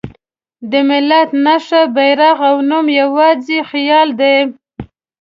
د ملت نښه، بیرغ او نوم یواځې خیال دی.